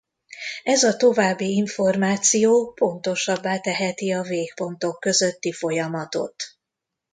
Ez a további információ pontosabbá teheti a végpontok közötti folyamatot.